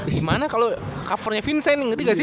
gimana kalo covernya vincent gitu ga sih